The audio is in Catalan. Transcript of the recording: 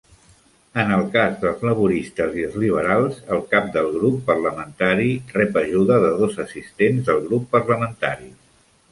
En el cas dels laboristes i els liberals, el cap del grup parlamentari rep ajuda de dos assistents del grup parlamentari.